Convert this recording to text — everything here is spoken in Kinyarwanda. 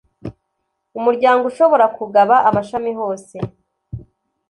Umuryango ushobora kugaba amashami hose